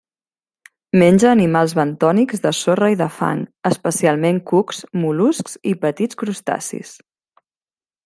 Menja animals bentònics de sorra i de fang, especialment cucs, mol·luscs i petits crustacis.